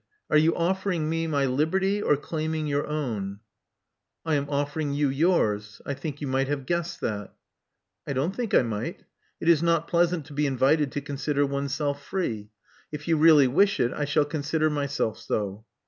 Are you offering me my liberty, or claiming your own? I am offering you yours. I think yon might have guessed that. I don*t think I might. It is not pleasant to be invited to consider oneself free. If you really wish it, I shall consider myself so."